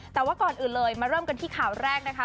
แต่ว่าก่อนอื่นเลยมาเริ่มกันที่ข่าวแรกนะคะ